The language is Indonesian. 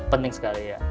penting sekali ya